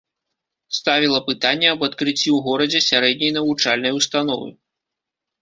Ставіла пытанне аб адкрыцці ў горадзе сярэдняй навучальнай установы.